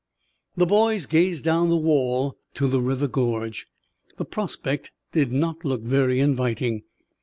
The boys gazed down the wall to the river gorge. The prospect did not look very inviting.